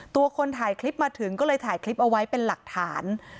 คนถ่ายคลิปมาถึงก็เลยถ่ายคลิปเอาไว้เป็นหลักฐาน